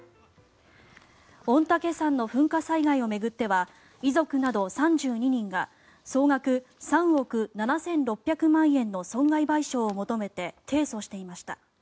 御嶽山の噴火災害を巡っては遺族など３２人が総額３億７６００万円の損害賠償を求めて提訴していました。